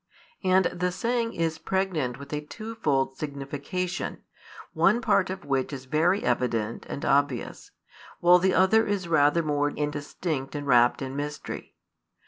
And the saying is pregnant with a twofold signification, one part of which is very evident and obvious, while the other is rather more indistinct and wrapped in mystery.